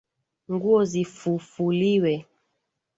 Nguo zifufuliwe.